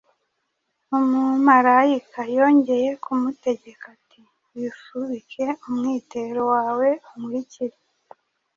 Umumarayika yongeye kumutegeka ati, « Wifubike umwitero wawe, unkurikire. »